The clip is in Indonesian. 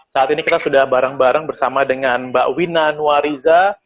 saat ini kita sudah bareng bareng bersama dengan mbak wina nuariza